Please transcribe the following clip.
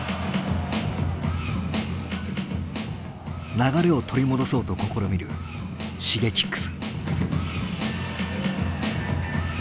流れを取り戻そうと試みるＳｈｉｇｅｋｉｘ。